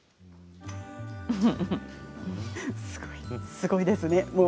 すごいですね。